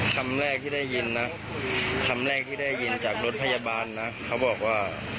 ทำไมคุณทำงานนิดหน่อยไม่ได้เลยอ่ะ